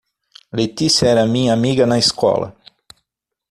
Letícia era minha amiga na escola.